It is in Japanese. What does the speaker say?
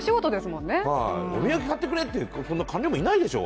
お土産買ってくれと、そんな官僚もいないでしょう。